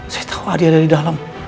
saya tau adi ada di dalam